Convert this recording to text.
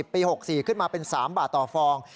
ปี๖๔ขึ้นมาเป็น๓บาทต่อฟอง